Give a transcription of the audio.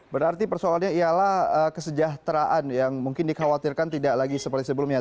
berarti persoalannya ialah kesejahteraan yang mungkin dikhawatirkan tidak lagi seperti sebelumnya